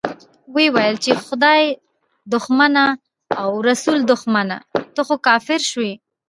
ويې ويل چې خدای دښمنه او رسول دښمنه، ته خو کافر شوې.